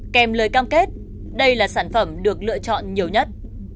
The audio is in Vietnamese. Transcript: kèm lời cam kết đây là sản phẩm được lựa chọn nhiều nhất